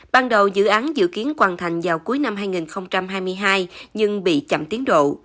ban đầu dự án dự kiến hoàn thành vào cuối năm hai nghìn hai mươi hai nhưng bị chậm tiến độ